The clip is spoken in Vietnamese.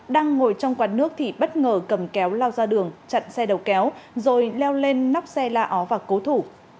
đang ngồi trong quán nước thì bất ngờ cầm kéo lao ra đường chặn xe đầu kéo rồi leo lên nóc xe la ó và cố thủ